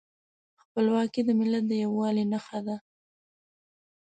خپلواکي د ملت د یووالي نښه ده.